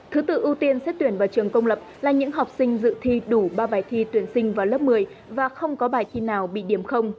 thứ tự ưu tiên xét tuyển vào trường công lập là những học sinh dự thi đủ ba bài thi tuyển sinh vào lớp một mươi và không có bài thi nào bị điểm